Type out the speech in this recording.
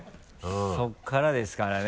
そこからですからね。